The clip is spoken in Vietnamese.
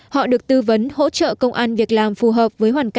họ được tư vấn hỗ trợ công an việc làm phù hợp